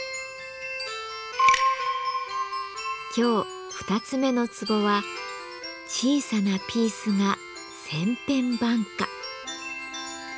今日２つ目の壺は「小さなピースが千変万化」。